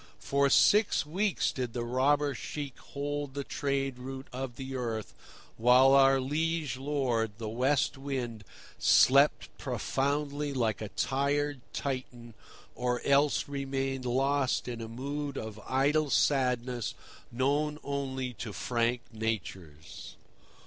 For six weeks did the robber sheik hold the trade route of the earth, while our liege lord, the West Wind, slept profoundly like a tired Titan, or else remained lost in a mood of idle sadness known only to frank natures.